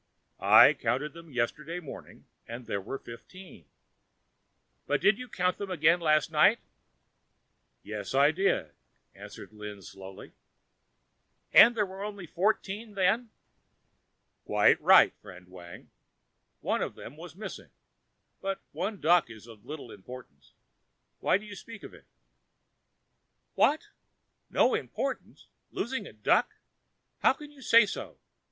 "I counted them yesterday morning and there were fifteen." "But did you count them again last night?" "Yes, I did," answered Lin slowly. "And there were only fourteen then?" "Quite right, friend Wang, one of them was missing; but one duck is of little importance. Why do you speak of it?" "What, no importance! losing a duck? How can you say so?